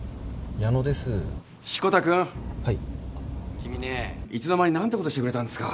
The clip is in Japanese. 君ねいつの間に何てことしてくれたんですか。